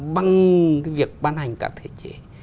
bằng cái việc ban hành cả thể chế